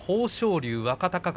龍、若隆景